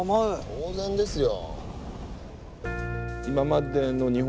当然ですよ。